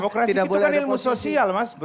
demokrasi itu kan ilmu sosial mas